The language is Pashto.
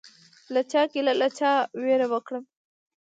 له چا ګیله له چا وکړم؟